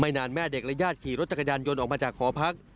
นานแม่เด็กและญาติขี่รถจักรยานยนต์ออกมาจากหอพัก